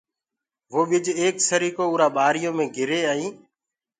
وو ٻج ايڪ سريڪو اُرآ ٻآريو مي گري ائين